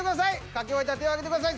書き終えたら手を挙げてください。